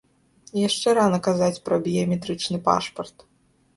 Яшчэ рана казаць пра біяметрычны пашпарт.